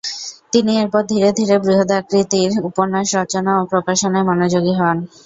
তিনি এরপর ধীরে ধীরে বৃহদাকৃতির উপন্যাস রচনা ও প্রকাশনায় মনযোগী হন।